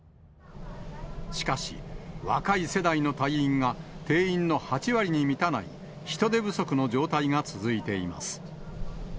しかし、若い世代の隊員が定員の８割に満たない人手不足の状態が続いています。